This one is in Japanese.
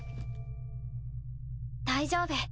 大丈夫。